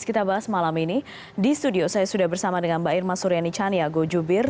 kita bahas malam ini di studio saya sudah bersama dengan mbak irma suryani caniago jubir